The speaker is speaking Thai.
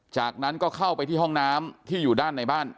จากนั้นก็เข้าไปที่ห้องน้ำที่อยู่ด้านในบ้าน